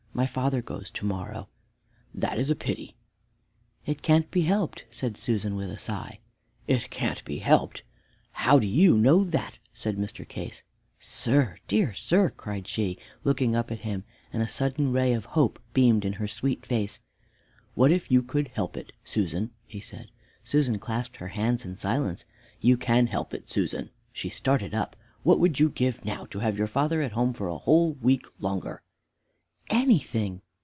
My father goes to morrow." "That's a pity." "It can't be helped," said Susan, with a sigh. "It can't be helped how do you know that?" said Mr. Case. "Sir, dear sir!" cried she, looking up at him, and a sudden ray of hope beamed in her sweet face. "What if you could help it, Susan?" he said. Susan clasped her hands in silence. "You can help it, Susan." She started up. "What would you give now to have your father at home for a whole week longer?" "Anything!